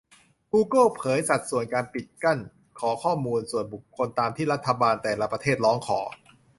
กูเกิลเผยสัดส่วนการปิดกั้น-ขอข้อมูลส่วนบุคคลตามที่รัฐบาลแต่ละประเทศร้องขอ